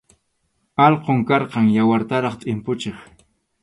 Alqum karqan, yawartaraq tʼimpuchiq.